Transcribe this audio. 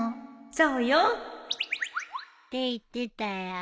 そうよって言ってたよ。